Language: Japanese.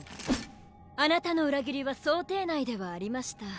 あなたの裏切りは想定内ではありました。